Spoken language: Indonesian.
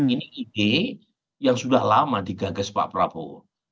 ini ide yang sudah lama digagas pak prabowo